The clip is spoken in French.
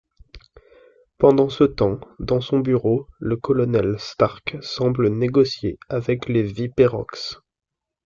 Pendant ce temps, dans son bureau, le Colonel Stark semble négocier avec les Viperox.